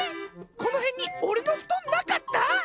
このへんにおれのふとんなかった？